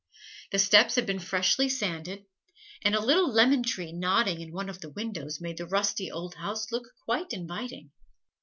The steps had been freshly sanded, and a little lemon tree nodding in one of the windows made the rusty old house look quite inviting.